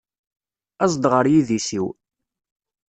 Aẓ-d ɣer yidis-iw.